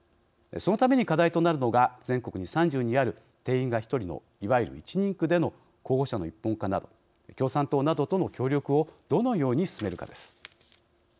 そのために課題となるのが全国に３２ある定員が１人のいわゆる１人区での候補者の一本化など共産党などとの協力をどのように進めるかです。